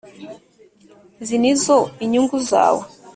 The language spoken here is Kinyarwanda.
izi nizo inyungu zawe.